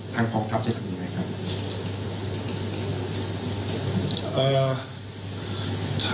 กองทัพจะทำยังไงครับ